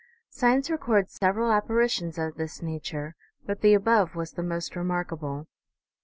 Science records several apparitions of this nature, but the above was the most remarkable.